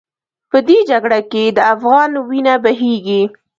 په دې جګړه کې د افغان وینه بهېږي.